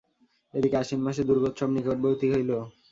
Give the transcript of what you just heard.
এদিকে আশ্বিন মাসে দুর্গোৎসব নিকটবর্তী হইল।